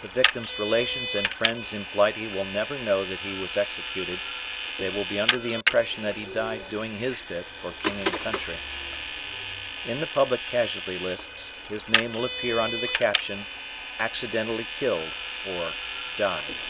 The victim's relations and friends in Blighty will never know that he was executed; they will be under the impression that he died doing his bit for King and Country. In the public casualty lists his name will appear under the caption "Accidentally Killed," or "Died."